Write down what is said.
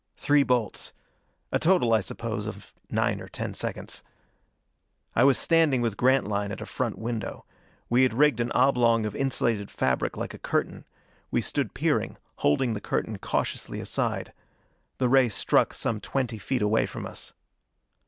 Three bolts. A total, I suppose, of nine or ten seconds. I was standing with Grantline at a front window. We had rigged an oblong of insulated fabric like a curtain: we stood peering, holding the curtain cautiously aside. The ray struck some twenty feet away from us.